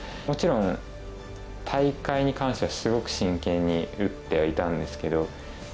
もちろん大会に関してはすごく真剣に打ってはいたんですけど。